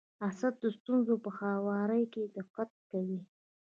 اسد د ستونزو په هواري کي دقت کوي.